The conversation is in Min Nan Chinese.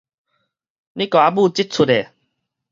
你共我舞這齣的